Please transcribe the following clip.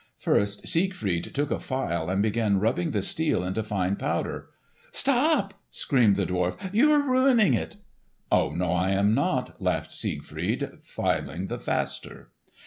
First Siegfried took a file and began rubbing the steel into fine powder. "Stop!" screamed the dwarf. "You are ruining it." "Oh, no, I am not," laughed Siegfried, filing the faster.